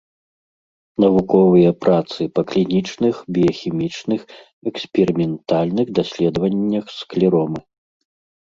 Навуковыя працы па клінічных, біяхімічных, эксперыментальных даследваннях склеромы.